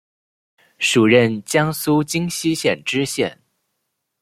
署任江苏荆溪县知县。